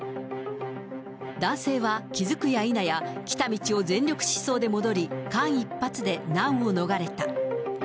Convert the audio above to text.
男性は気付くや否や来た道を全力疾走で戻り、間一髪で難を逃れた。